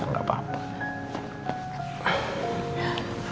saya sudah bilang